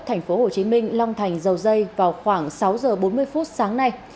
thành phố hồ chí minh long thành dầu dây vào khoảng sáu giờ bốn mươi phút sáng nay